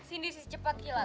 sini si cepet kilat